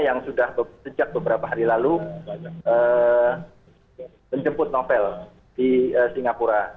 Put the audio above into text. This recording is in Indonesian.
yang sudah sejak beberapa hari lalu menjemput novel di singapura